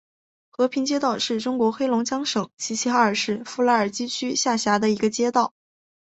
和平街道是中国黑龙江省齐齐哈尔市富拉尔基区下辖的一个街道。